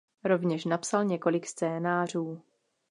Rovněž napsal několik scénářů.